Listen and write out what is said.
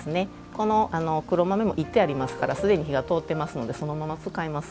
この黒豆もいってありますからすでに火が通ってますのでそのまま使えます。